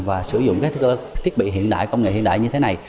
và sử dụng các thiết bị hiện đại công nghệ hiện đại như thế này